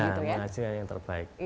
nah menghasilkan yang terbaik